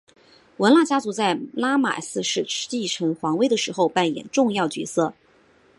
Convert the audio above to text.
汶那家族在拉玛四世继承皇位的时候扮演重要角色。